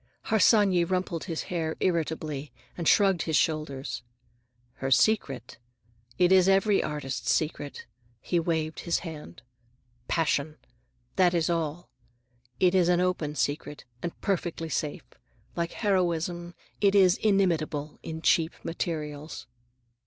Harsanyi rumpled his hair irritably and shrugged his shoulders. "Her secret? It is every artist's secret,"—he waved his hand,—"passion. That is all. It is an open secret, and perfectly safe. Like heroism, it is inimitable in cheap materials."